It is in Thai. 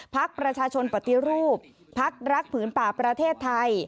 พักประชาชนปฏิรูปพักรักผืนป่าประเทศไทย